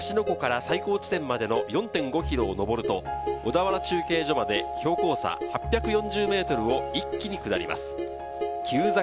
湖から最高地点までの４．５ｋｍを上ると、小田原中継所まで標高差８４０ｍを一気に下ります。